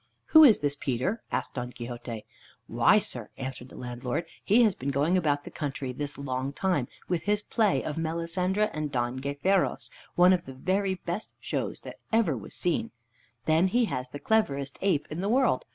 "Who is this Peter?" asked Don Quixote. "Why, sir," answered the landlord, "he has been going about the country this long time with his play of Melisendra and Don Gayferos, one of the very best shows that ever was seen. Then he has the cleverest ape in the world.